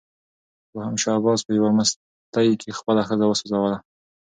دوهم شاه عباس په یوه مستۍ کې خپله ښځه وسوځوله.